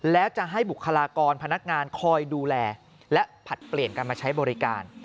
แล้วจะให้บุคลากรพนักงานคอยดูแลและผลัดเปลี่ยนกันมาใช้บริการ